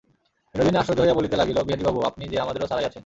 বিনোদিনী আশ্চর্য হইয়া বলিতে লাগিল, বিহারীবাবু, আপনি যে আমাদেরও ছাড়াইয়াছেন।